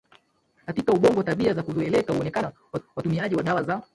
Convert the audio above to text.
katika ubongo Tabia za kuzoeleka huonekana katika watumiaji wa dawa za